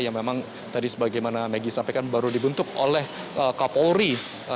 yang memang tadi sebagaimana maggie sampaikan baru dibentuk oleh kapolri